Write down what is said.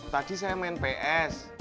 tadi saya main ps